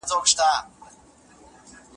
او په اخر کې پرې راټول شي په خندا او ټوکو